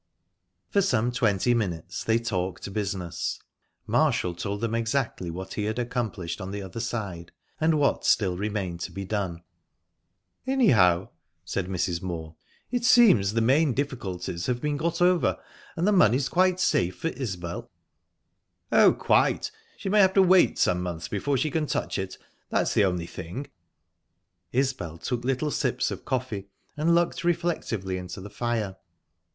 For some twenty minutes they talked business. Marshall told them exactly what he had accomplished on the other side, and what still remained to be done. "Anyhow," said Mrs. Moor, "it seems that the main difficulties have been got over, and the money's quite safe for Isbel?" "Oh, quite. She may have to wait some months before she can touch it that's the only thing." Isbel took little sips of coffee, and looked reflectively into the fire.